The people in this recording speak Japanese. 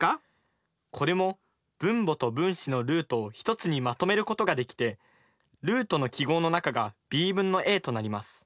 これも分母と分子のルートを１つにまとめることができてルートの記号の中がｂ分のａとなります。